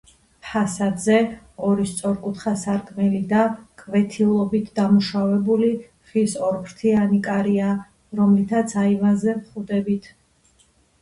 ფასადზე ორი სწორკუთხა სარკმელი და კვეთილობით დამუშავებული, ხის ორფრთიანი კარია, რომლითაც აივანზე ვხვდებით.